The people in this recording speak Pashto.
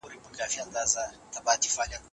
خاموشي د فکر کولو غوره وخت دی.